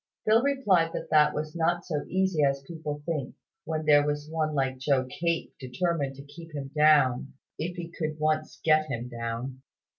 Phil replied that that was not so easy as people might think, when there was one like Joe Cape determined to keep him down, if he could once get him down.